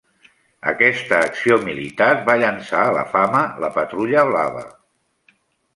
Aquesta acció militar va llançar a la fama la Patrulla Blava.